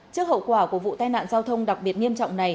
trước hậu quả của vụ tai nạn giao thông đặc biệt nghiêm trọng này